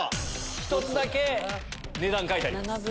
１つだけ値段書いてあります。